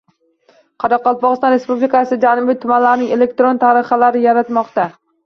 Qoraqalpog‘iston Respublikasi janubiy tumanlarining elektron xaritalari yaratilmoqda